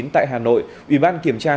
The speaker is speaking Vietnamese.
tại hà nội ủy ban kiểm tra